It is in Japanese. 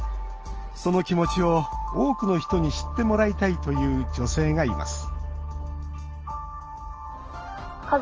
その気持ちを多くの人に知ってもらいたいという女性がいます